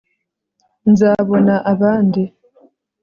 nzabona abandi